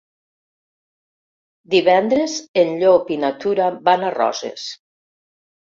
Divendres en Llop i na Tura van a Roses.